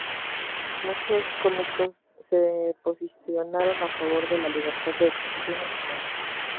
Muchos cómicos se posicionaron a favor de la libertad de expresión en comedia.